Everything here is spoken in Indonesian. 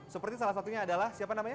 seperti salah satunya adalah siapa namanya